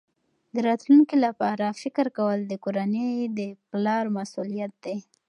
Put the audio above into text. د راتلونکي لپاره فکر کول د کورنۍ د پلار مسؤلیت دی.